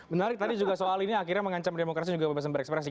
menarik tadi juga soal ini akhirnya mengancam demokrasi juga bebas berekspresi